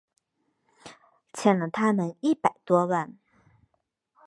欠了他们一百多万